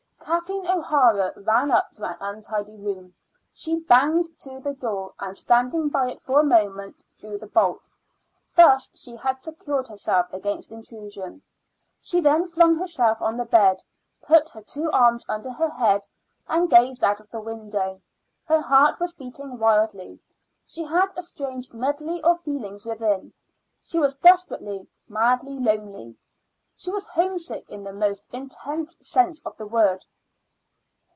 Kathleen O'Hara ran up to an untidy room. She banged to the door, and standing by it for a moment, drew the bolt. Thus she had secured herself against intrusion. She then flung herself on the bed, put her two arms under her head, and gazed out of the window. Her heart was beating wildly; she had a strange medley of feelings within. She was desperately, madly lonely. She was homesick in the most intense sense of the word.